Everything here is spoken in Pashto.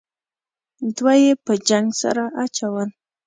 دوه یې په جنگ سره اچول.